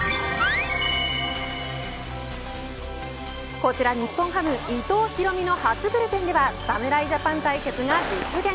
こちら日本ハム伊藤大海の初ブルペンでは侍ジャパン対決が実現。